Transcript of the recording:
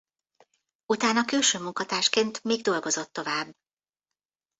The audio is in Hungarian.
Utána külső munkatársként még dolgozott tovább.